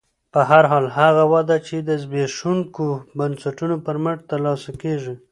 په هر حال هغه وده چې د زبېښونکو بنسټونو پر مټ ترلاسه کېږي